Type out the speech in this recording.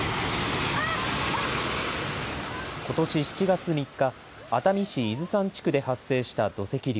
ことし７月３日、熱海市伊豆山地区で発生した土石流。